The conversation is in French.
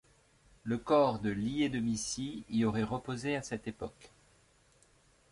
Le corps de Lié de Micy y aurait reposé à cette époque.